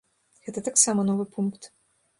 Гэта таксама новы пункт.